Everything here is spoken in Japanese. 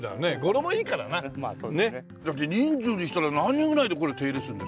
だって人数にしたら何人ぐらいでこれ手入れするんですか？